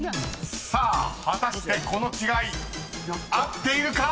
［さあ果たしてこの違い合っているか⁉］